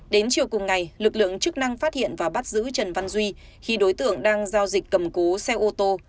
đến chiều cùng ngày lực lượng chức năng phát hiện và bắt giữ trần văn duy khi đối tượng đang giao dịch cầm cố xe ô tô